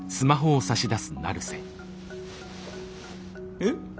えっ？